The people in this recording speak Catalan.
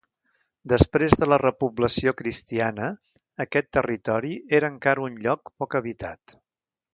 Després de la repoblació cristiana aquest territori era encara un lloc poc habitat.